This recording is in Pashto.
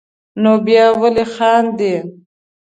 نو بیا ولې خاندې.